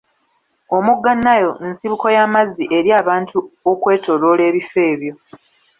Omugga Nile nsibuko y'amazzi eri abantu okwetooloola ebifo ebyo.